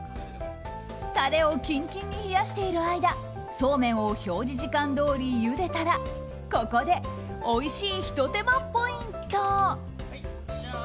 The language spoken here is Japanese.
タレをキンキンに冷やしている間そうめんを表示時間どおりゆでたらここで、おいしいひと手間ポイント。